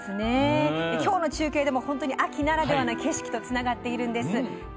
今日の中継でも秋ならではの景色とつながっているんです。